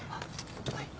はい。